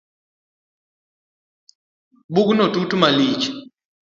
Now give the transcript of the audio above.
Bugono tut malich